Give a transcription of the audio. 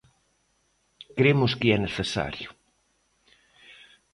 Cremos que é necesario.